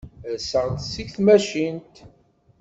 Rseɣ-d seg tmacint.